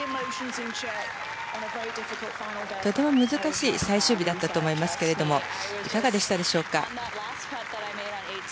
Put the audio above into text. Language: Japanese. とても難しい最終日だったと思いますけれどいかがでしたでしょうか。